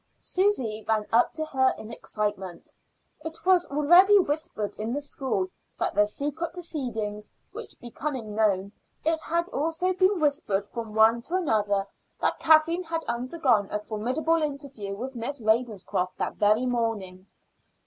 Susy ran up to her in excitement. It was already whispered in the school that their secret proceedings were becoming known. It had also been whispered from one to another that Kathleen had undergone a formidable interview with Miss Ravenscroft that very morning.